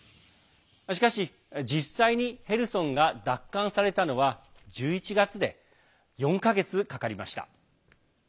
しかし実際に、ヘルソンが奪還されたのは１１月で４か月かかりました。